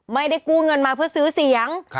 ไม่ได้กู้เงินมาเพื่อซื้อเสียง